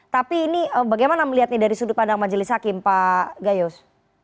tapi ini bagaimana melihatnya dari sudut pandang majelis hakim pak gayus